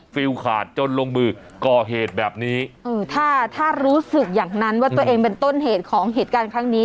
ฟิลขาดจนลงมือก่อเหตุแบบนี้เออถ้าถ้ารู้สึกอย่างนั้นว่าตัวเองเป็นต้นเหตุของเหตุการณ์ครั้งนี้